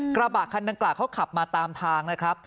กระบะคันดังกล่าวเขาขับมาตามทางนะครับ